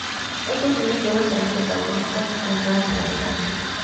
Estos niños luego serán protagonistas en "Rama Revelada".